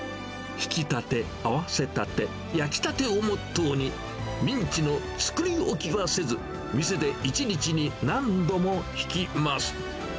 ひきたて、あわせたて、焼きたてをモットーに、ミンチの作り置きはせず、店で１日に何度もひきます。